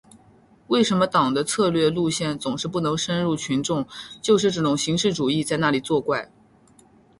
为什么党的策略路线总是不能深入群众，就是这种形式主义在那里作怪。